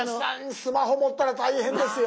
スマホ持ったら大変ですよ。